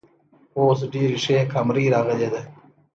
اوس ډیرې ښې کامرۍ راغلی ده